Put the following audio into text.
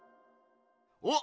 おっ！